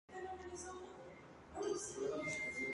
Se encuentra en África y en Europa occidental y central.